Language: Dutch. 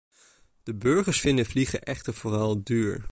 De burgers vinden vliegen echter vooral duur.